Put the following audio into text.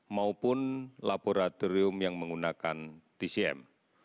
maupun laboratorium yang menggunakan tcm